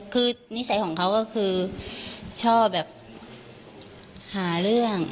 คือนิสัยของเขาก็คือชอบแบบหาเรื่อง